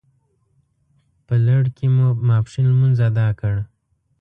په لړ کې مو ماپښین لمونځ اداء کړ.